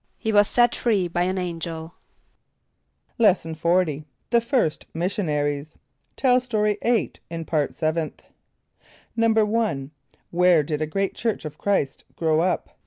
=He was set free by an angel.= Lesson XL. The First Missionaries. (Tell Story 8 in Part Seventh.) =1.= Where did a great church of Chr[=i]st grow up?